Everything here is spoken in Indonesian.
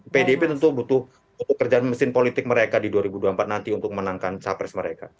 pdip tentu butuh pekerjaan mesin politik mereka di dua ribu dua puluh empat nanti untuk menangkan capres mereka